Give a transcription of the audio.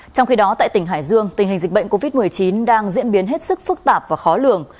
trong khi đó tại tỉnh hải dương tình hình dịch bệnh covid một mươi chín đang diễn biến hết sức phức tạp và khó lường